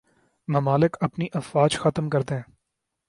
ممالک اپنی افواج ختم کر دیں